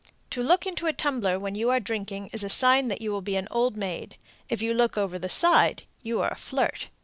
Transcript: To look into a tumbler when you are drinking is a sign that you will be an old maid. If you look over the side, you are a flirt.